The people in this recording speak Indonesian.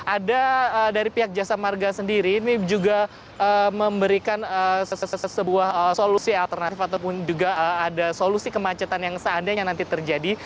ada dari pihak jasa marga sendiri ini juga memberikan sebuah solusi alternatif ataupun juga ada solusi kemacetan yang seandainya nanti terjadi